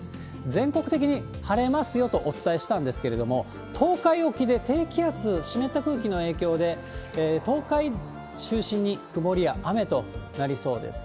全国的に晴れますよとお伝えしたんですけれども、東海沖で低気圧、湿った空気の影響で、東海中心に曇りや雨となりそうです。